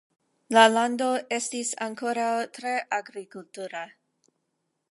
La lando estis ankoraŭ tre agrikultura.